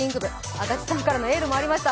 安達さんからのエールもありました